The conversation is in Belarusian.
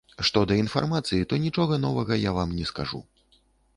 Што да інфармацыі, то нічога новага я вам не скажу.